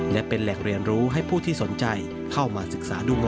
และเป็นแหล่งเรียนรู้ให้ผู้ที่สนใจเข้ามาศึกษาดู